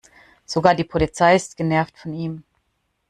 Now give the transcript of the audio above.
Sogar die Polizei ist genervt von ihm.